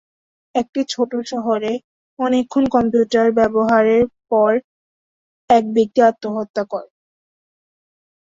একটি ছোট শহরে, অনেকক্ষণ কম্পিউটার ব্যবহারের পর এক ব্যক্তি আত্মহত্যা করে।